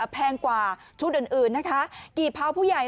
แพงกว่าชุดอื่นนะคะกี่เผาผู้ใหญ่